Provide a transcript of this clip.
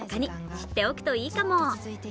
知っておくといいかも。